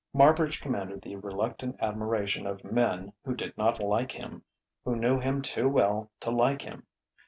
Marbridge commanded the reluctant admiration of men who did not like him who knew him too well to like him.